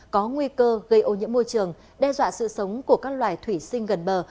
có nguy cơ gây ô nhiễm môi trường đe dọa sự sống của các loài thủy sinh gần bờ